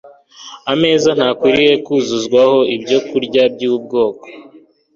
Ameza ntakwiriye kuzuzwaho ibyokurya byubwoko